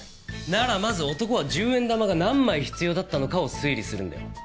ならまず男は１０円玉が何枚必要だったのかを推理するんだよ。